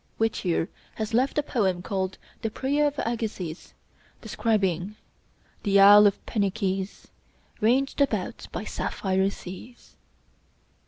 Whittier has left a poem called "The Prayer of Agassiz," describing "The isle of Penikese Ranged about by sapphire seas."